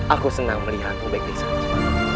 aku senang melihatku baik baik saja